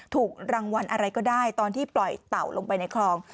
ถูกรางวัลอะไรก็ได้ตอนที่ปล่อยเต่าลงไปในคลอง